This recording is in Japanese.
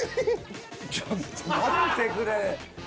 ちょっと待ってくれ。